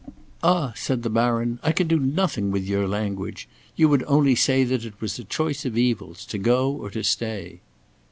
"Ah!" said the Baron; "I can do nothing with your language. You would only say that it was a choice of evils, to go, or to stay."